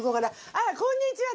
「あらこんにちは！